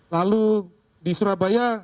lalu di surabaya